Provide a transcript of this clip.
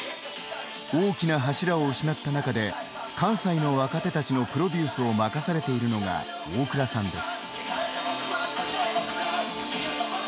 大きな柱を失った中で関西の若手たちのプロデュースを任されているのが大倉さんです。